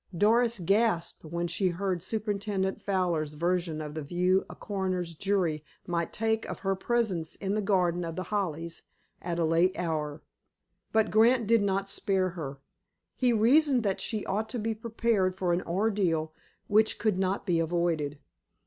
Doris gasped when she heard Superintendent Fowler's version of the view a coroner's jury might take of her presence in the garden of The Hollies at a late hour. But Grant did not spare her. He reasoned that she ought to be prepared for an ordeal which could not be avoided.